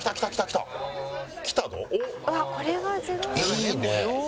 いいね！